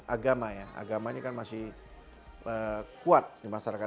agama ya agama ini kan masih kuat di masyarakat